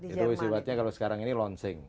itu sifatnya kalau sekarang ini launching